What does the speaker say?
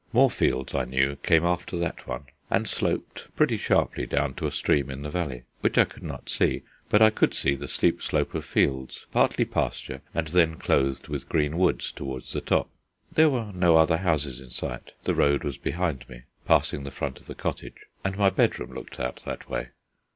More fields, I knew, came after that one, and sloped pretty sharply down to a stream in the valley, which I could not see; but I could see the steep slope of fields, partly pasture, and then clothed with green woods towards the top. There were no other houses in sight: the road was behind me, passing the front of the cottage, and my bedroom looked out that way.